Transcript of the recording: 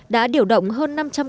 đã điều động hơn năm trăm linh người